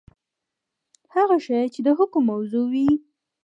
هغه شی چي د حکم موضوع وي.؟